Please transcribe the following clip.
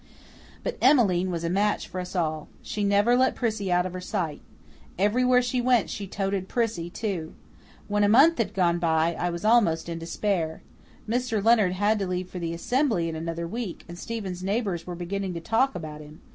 But Emmeline was a match for us all. She never let Prissy out of her sight. Everywhere she went she toted Prissy, too. When a month had gone by, I was almost in despair. Mr. Leonard had to leave for the Assembly in another week and Stephen's neighbours were beginning to talk about him.